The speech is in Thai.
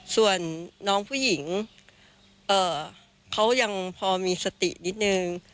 ส่วนน้องผู้หญิงเขายังพอมีสตินิดนึง